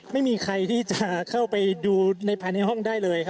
ไม่มีใครที่จะเข้าไปดูในภายในห้องได้เลยครับ